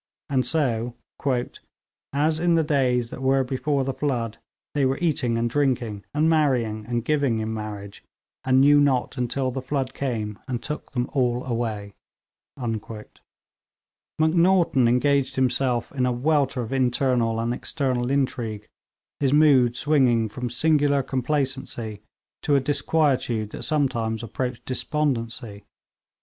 And so 'as in the days that were before the flood, they were eating and drinking, and marrying and giving in marriage, and knew not until the flood came, and took them all away.' Macnaghten engaged himself in a welter of internal and external intrigue, his mood swinging from singular complacency to a disquietude that sometimes approached despondency.